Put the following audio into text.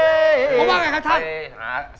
เพราะว่าไงครับท่าน